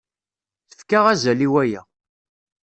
Tefka azal i waya.